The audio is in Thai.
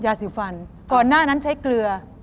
สีฟันก่อนหน้านั้นใช้เกลือ